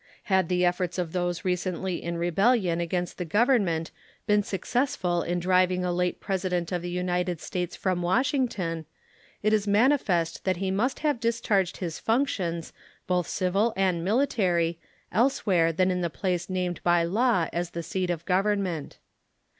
Had the efforts of those recently in rebellion against the Government been successful in driving a late President of the United States from Washington, it is manifest that he must have discharged his functions, both civil and military, elsewhere than in the place named by law as the seat of Government.